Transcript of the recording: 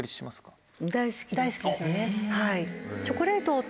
大好きですよね。